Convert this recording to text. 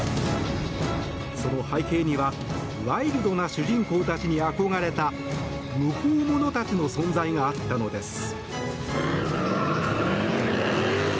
その背景にはワイルドな主人公たちに憧れた無法者たちの存在があったのです。